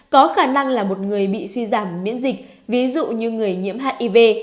có khả năng là một người bị suy giảm miễn dịch ví dụ như người nhiễm hiv